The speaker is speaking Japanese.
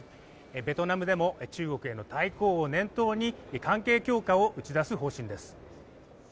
ベトナムでも中国への対抗を念頭に関係強化を打ち出す方針です。